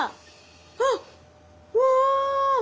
あっうわ！